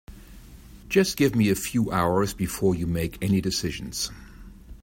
Just give me a few hours before you make any decisions.